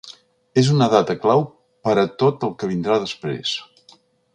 És una data clau per a tot el que vindrà després.